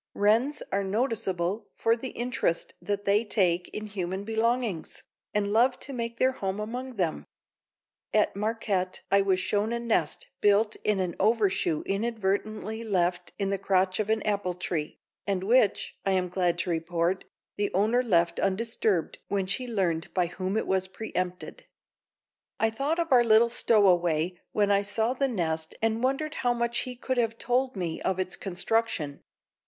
Wrens are noticeable for the interest that they take in human belongings, and love to make their home among them. At Marquette I was shown a nest built in an overshoe inadvertently left in the crotch of an apple tree, and which, I am glad to report, the owner left undisturbed when she learned by whom it was pre empted. I thought of our little stowaway when I saw the nest and wondered how much he could have told me of its construction.